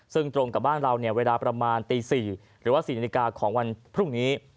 ซึ่งตรงกับบ้านเราเวลาประมาณตี๔หรือว่า๔นาฬิกาของวันพรุ่งนี้